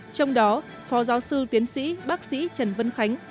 trong đó phó giáo sư tiến sĩ bác sĩ trần vân khánh